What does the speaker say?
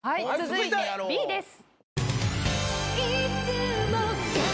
続いてＢです。